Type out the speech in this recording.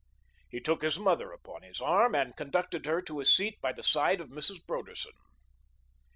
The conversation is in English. He took his mother upon his arm and conducted her to a seat by the side of Mrs. Broderson.